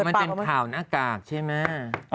มันเป็นข่าวหน้ากากใช่ไหม